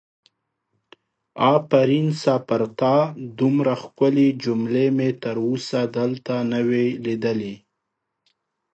آفرین سه پر تا دومره ښکلې جملې مې تر اوسه دلته نه وي لیدلې!